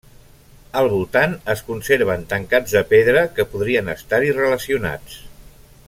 Al voltant es conserven tancats de pedra que podrien estar-hi relacionats.